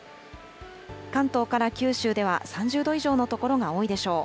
関東から九州では３０度以上の所が多いでしょう。